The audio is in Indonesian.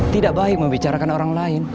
tidak baik membicarakan orang lain